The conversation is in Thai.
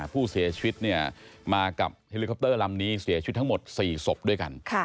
ผู้เสียชีวิตมากับเฮลิคอปเตอร์ลำนี้เสียชีวิตทั้งหมด๔ศพด้วยกัน